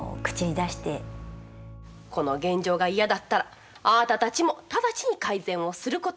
この現状が嫌だったらあんたたちも直ちに改善をすること。